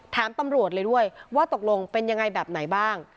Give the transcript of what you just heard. ตำรวจเลยด้วยว่าตกลงเป็นยังไงแบบไหนบ้าง